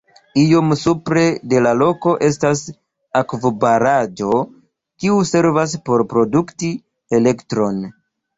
Iom supre de la loko estas akvobaraĵo, kiu servas por produkti elektron.